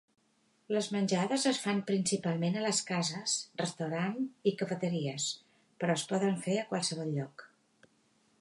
Les menjades es fan principalment a les cases, restaurant i cafeteries, però es poden fer a qualsevol lloc.